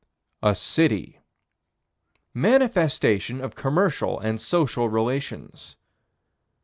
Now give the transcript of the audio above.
A city. Manifestation of commercial and social relations.